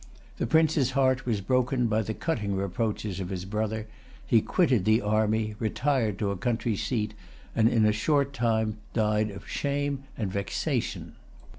The prince's heart was broken by the cutting reproaches of his brother; he quitted the army, retired to a country seat, and in a short time died of shame and vexation.